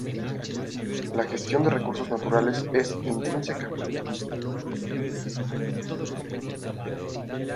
La gestión de recursos naturales es intrínsecamente compleja.